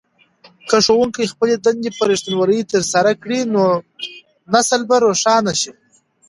که ښوونکي خپلې دندې په رښتینولۍ ترسره کړي نو نسل به روښانه شي.